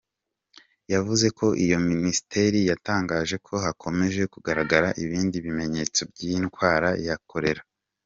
Yavuze ko iyo Minisiteri yatangaje ko hakomeje kugaragara ibindi bimenyetso by’indwara ya Cholera.